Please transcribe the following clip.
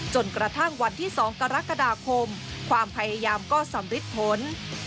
จนกระทั่งวันที่๒กรกฎาคมความพยายามก็สำริดผล